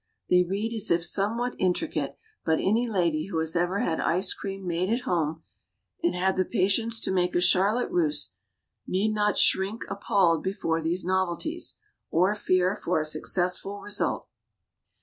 They read as if somewhat intricate, but any lady who has ever had ice cream made at home, and had the patience to make charlotte russe, need not shrink appalled before these novelties, or fear for a successful result.